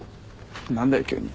何だよ急に。